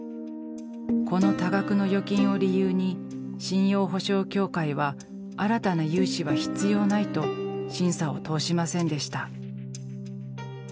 この多額の預金を理由に信用保証協会は新たな融資は必要ないと審査を通しませんでした。